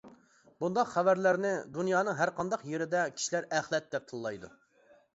بۇنداق خەۋەرلەرنى دۇنيانىڭ ھەرقانداق يېرىدە كىشىلەر ئەخلەت دەپ تىللايدۇ.